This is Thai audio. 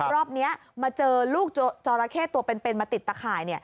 รอบนี้มาเจอลูกจอราเข้ตัวเป็นมาติดตะข่าย